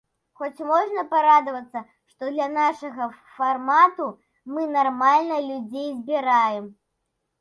Хоць можна парадавацца, што для нашага фармату мы нармальна людзей збіраем.